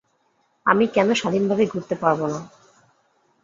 আমি কেন স্বাধীনভাবে ঘুরতে পারবো না?